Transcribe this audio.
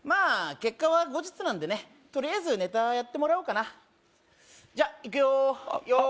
結果は後日なんでねとりあえずネタやってもらおうかなじゃいくよー用意